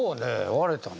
割れたね